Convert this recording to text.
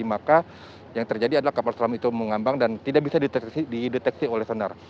maka yang terjadi adalah kapal selam itu mengambang dan tidak bisa dideteksi oleh sonar